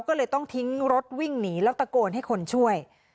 ก็เลยต้องทิ้งรถวิ่งหนีแล้วตะโกนให้คนช่วย